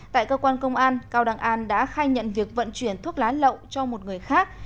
tại cơ quan công an cao đăng an đã khai nhận việc vận chuyển thuốc lá lậu cho một người khác